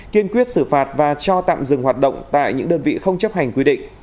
kiên quyết xử phạt và cho tạm dừng hoạt động tại những đơn vị không chấp hành quy định